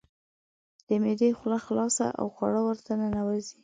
د معدې خوله خلاصه او خواړه ورته ننوزي.